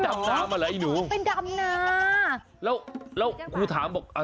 แต่น้องเขาไปทำอะไรมาเนี่ย